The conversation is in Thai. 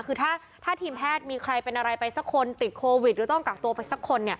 คือถ้าทีมแพทย์มีใครเป็นอะไรไปสักคนติดโควิดหรือต้องกักตัวไปสักคน